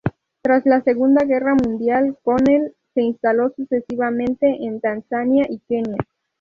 Tras la Segunda Guerra Mundial, Connell se instaló sucesivamente en Tanzania y Kenia.